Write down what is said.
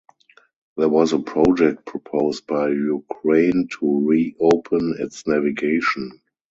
There was a project proposed by Ukraine to reopen its navigation.